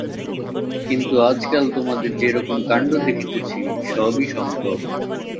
কিন্তু আজকাল তোমাদের যে-রকম কাণ্ড দেখিতেছি, সবই সম্ভব।